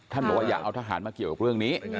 ท่านบอย่าขัดทางเรื่องนี้